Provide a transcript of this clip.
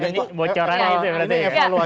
ini bocorannya itu ya berarti ya